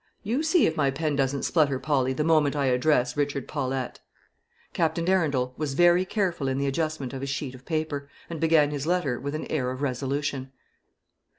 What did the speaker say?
You see if my pen doesn't splutter, Polly, the moment I address Richard Paulette." Captain Arundel was very careful in the adjustment of his sheet of paper, and began his letter with an air of resolution.